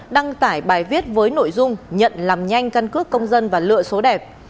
đăng tải bài viết với nội dung nhận làm nhanh căn cước công dân và lựa số đẹp